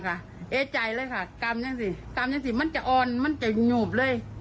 กรรมนะคะเอใจเลยค่ะกรรมยังสิมันจะอ่อนมันจะหงูบเลย